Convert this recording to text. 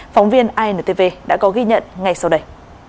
phóng viên intv đã có ghi nhận ngay sau đây